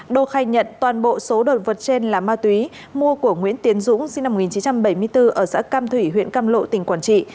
đô khai nhận toàn bộ số đồ vật trên là ma túy mua của nguyễn tiến dũng sinh năm một nghìn chín trăm bảy mươi bốn ở xã cam thủy huyện cam lộ tỉnh quảng trị